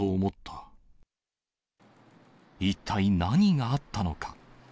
一体何があったのか。